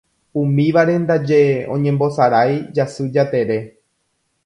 Umívare ndaje oñembosarái Jasy Jatere.